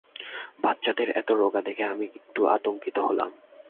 বাচ্চাদের এত রোগা দেখে আমি একটু আতঙ্কিত হলাম।